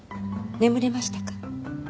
眠れましたか？